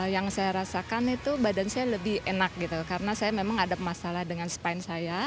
yang saya rasakan itu badan saya lebih enak gitu karena saya memang ada masalah dengan spine saya